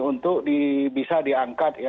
untuk bisa diangkat